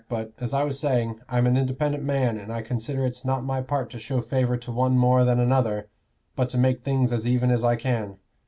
But, as I was saying, I'm a independent man, and I consider it's not my part to show favor to one more than another, but to make things as even as I can.